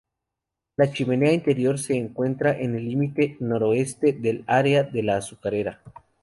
La chimenea interior se encuentra en el límite noroeste del área de la azucarera.